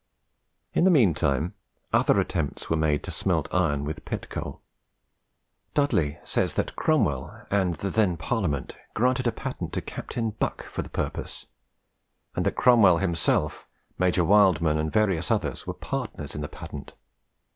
In the mean time other attempts were made to smelt iron with pit coal. Dudley says that Cromwell and the then Parliament granted a patent to Captain Buck for the purpose; and that Cromwell himself, Major Wildman, and various others were partners in the patent.